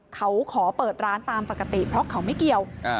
เขาขอเปิดร้านตามปกติเพราะเขาไม่เกี่ยว